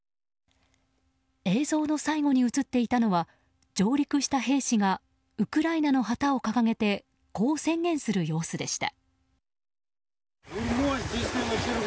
映像の最後に映っていたのは上陸した兵士がウクライナの旗を掲げてこう宣言する様子でした。